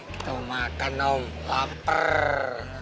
kita mau makan om laper